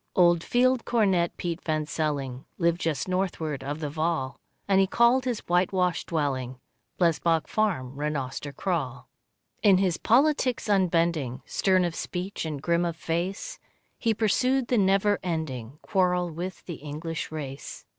Old Field Cornet Piet van Celling Lived just northward of the Vaal, And he called his white washed dwelling, Blesbock Farm, Rhenoster Kraal. In his politics unbending, Stern of speech and grim of face, He pursued the never ending Quarrel with the English race.